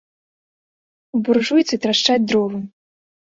У буржуйцы трашчаць дровы.